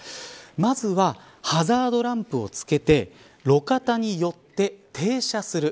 まずは、ハザードランプをつけて路肩に寄って停車する。